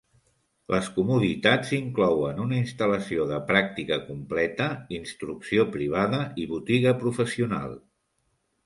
Les comoditats inclouen una instal·lació de pràctica completa, instrucció privada, i botiga professional.